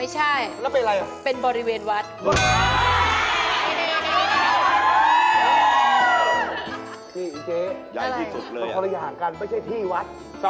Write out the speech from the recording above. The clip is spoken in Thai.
เฮ้ยพ่อเย่อยกว่าสารวัส